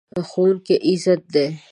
ښوونکی عزت دی.